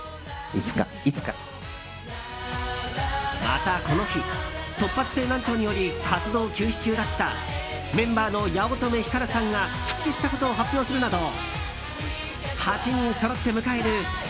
また、この日突発性難聴により活動休止中だったメンバーの八乙女光さんが復帰したことを発表するなど８人そろって迎えるＨｅｙ！